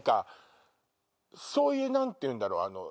そういう何ていうんだろう。